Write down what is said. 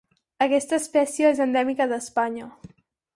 Aquesta espècie és endèmica d'Espanya.